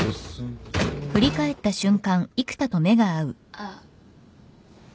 あっ。